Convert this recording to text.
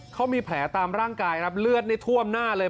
เขามีแผลตามร่างกายครับเลือดนี่ท่วมหน้าเลย